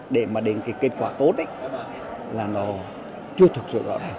để mà đến cái kế hoạch này